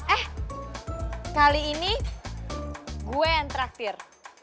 eh kali ini gue yang terakhir